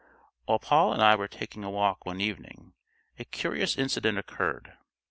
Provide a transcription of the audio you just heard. While Poll and I were taking a walk one evening, a curious incident occurred.